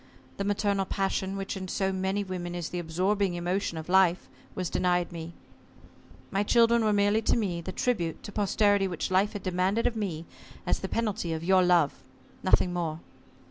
The maternal passion, which in so many women is the absorbing emotion of life, was denied me. My children were to me merely the tribute to posterity which Life had demanded of me as the penalty of your love nothing more.